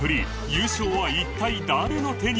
優勝は一体誰の手に？